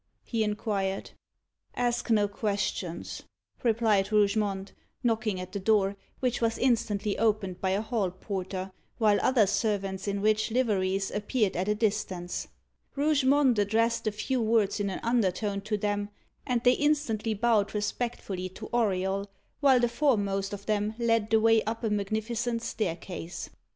he inquired. "Ask no questions," replied Rougemont, knocking at the door, which was instantly opened by a hall porter, while other servants in rich liveries appeared at a distance. Rougemont addressed a few words in an undertone to them, and they instantly bowed respectfully to Auriol, while the foremost of them led the way up a magnificent staircase.